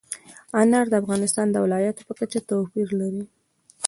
انار د افغانستان د ولایاتو په کچه توپیر لري.